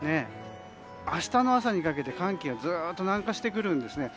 明日の朝にかけて寒気が南下してくるんですね。